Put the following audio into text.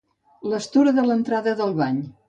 L'estora de l'entrada, del bany.